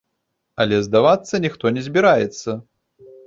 Але здавацца ніхто не збіраецца.